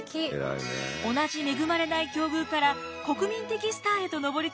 同じ恵まれない境遇から国民的スターへと上り詰めた